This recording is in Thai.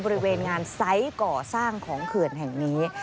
บริเวณงานไซส์ก่อสร้างของเขื่อนแห่งนี้